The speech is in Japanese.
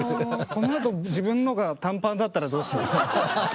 このあと自分のが短パンだったらどうしよう。